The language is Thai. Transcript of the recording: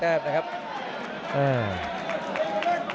ตัดหนึ่งแต้มนะครับ